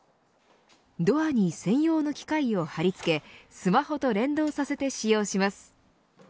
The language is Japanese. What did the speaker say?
ドアに専用の機械を貼り付けスマホと連動させて使用します。